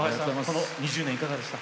この２０年いかがでした？